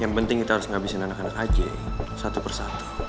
yang penting kita harus ngabisin anak anak aja satu persatu